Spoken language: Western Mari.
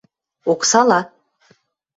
Оксала?